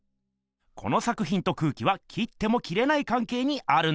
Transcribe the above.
この作ひんと空気は切っても切れないかんけいにあるんです。